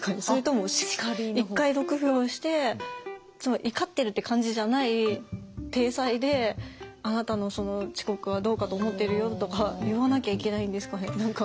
それとも一回６秒をして怒ってるって感じじゃない体裁であなたのその遅刻はどうかと思ってるよとか言わなきゃいけないんですかね？